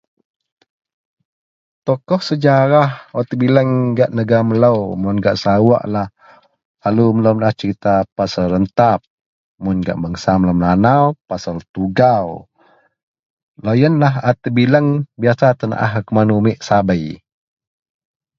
Tokoh sejarah wak tebilang gak negara melo mun gak Serawoklah selalu melo menaah serita pasel Rentap mun gak bangsa melo Melanau pasel Tugau loyenlah a tebilang biyasa tenaah kuman unit sabei.